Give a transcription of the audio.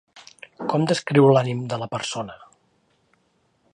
Com descriu l'ànim de la persona?